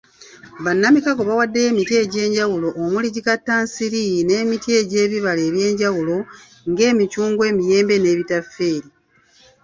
Bannamikago bawaddeyo emiti egy'enjawulo omuli; gikattansiri n'emiti gy'ebibala ebyenjawulo ng'emicungwa, emiyembe n'ebitafeeri.